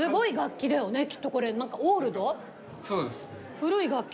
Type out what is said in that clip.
古い楽器。